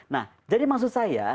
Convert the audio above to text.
nah jadi maksud saya